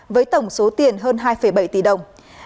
với tổng số tiền hơn hai bảy tỷ đồng